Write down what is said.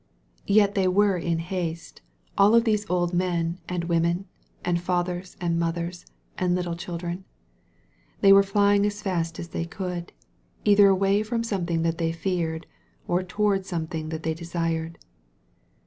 Yet th^ were in haste, all of these old men and women, fathers and mothers, and little children; they were flying as fast as they could; either away from something that they feared, or toward some thing that they desired.